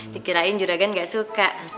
dikirain juragan gak suka